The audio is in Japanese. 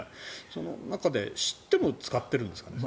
その中で知っても使ってるんですかね。